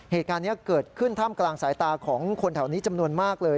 เหตุการณ์นี้เกิดขึ้นท่ามกลางสายตาของคนแถวนี้จำนวนมากเลย